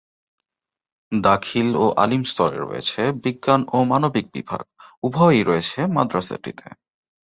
দাখিল ও আলিম স্তরে রয়েছে বিজ্ঞান ও মানবিক বিভাগ উভয়ই রয়েছে মাদ্রাসাটিতে।